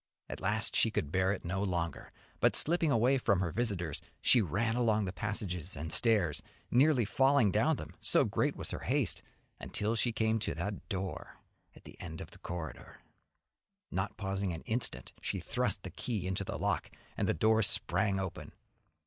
At last she could bear it no longer, but slipping away from her visitors, she ran along the passages and stairs, nearly falling down them, so great was her haste, until she came to that door at the end of the corridor. Not pausing an instant, she thrust the key into the lock, and the door sprang open.